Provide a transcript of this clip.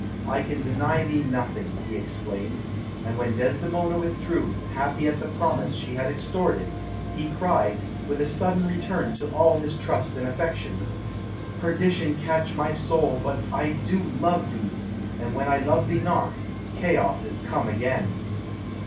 I can deny thee nothing," he exclaimed; and when Desdemona withdrew, happy at the promise she had extorted, he cried, with a sudden return to all his trust and affection, "Perdition catch my soul, but I do love thee! And when I love thee not, chaos is come again."